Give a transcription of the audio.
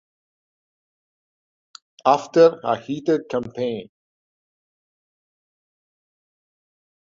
After a heated campaign.